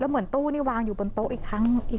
เหมือนตู้นี่วางอยู่บนโต๊ะอีกครั้ง